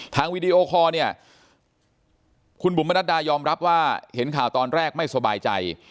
วีดีโอคอร์เนี่ยคุณบุ๋มมนัดดายอมรับว่าเห็นข่าวตอนแรกไม่สบายใจ